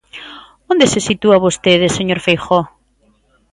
Onde se sitúa vostede, señor Feijóo?